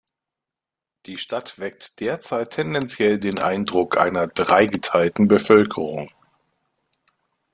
Die Stadt weckt derzeit tendenziell den Eindruck einer dreigeteilten Bevölkerung.